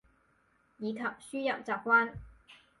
以及輸入習慣